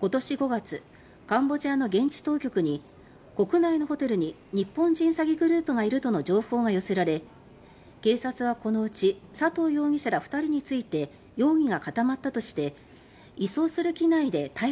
今年５月カンボジアの現地当局に国内のホテルに日本人詐欺グループがいるとの情報が寄せられ警察は、このうち佐藤容疑者ら２人について容疑が固まったとして移送する機内で逮捕しました。